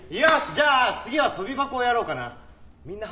じゃあ次は跳び箱をやろうかな。